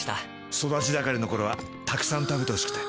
育ち盛りの頃はたくさん食べてほしくて。